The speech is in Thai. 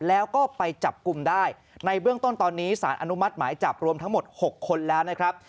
แล้วก็ไปจับกลุ่มได้ในเบื้องต้นตอนนี้สารอนุมัติหมายจับรวมทั้งหมด๖คนแล้วนะครับ